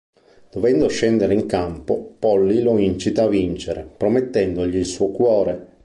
Dovendo scendere in campo, Polly lo incita a vincere, promettendogli il suo cuore.